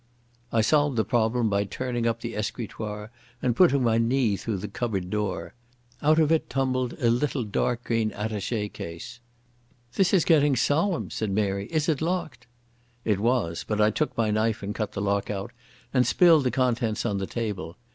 I solved the problem by turning up the escritoire and putting my knee through the cupboard door. Out of it tumbled a little dark green attache case. "This is getting solemn," said Mary. "Is it locked?" It was, but I took my knife and cut the lock out and spilled the contents on the table.